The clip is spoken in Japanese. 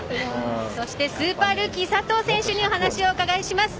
そして、スーパールーキー佐藤選手に話をお伺いします。